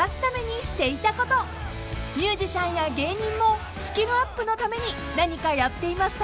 ［ミュージシャンや芸人もスキルアップのために何かやっていましたか？］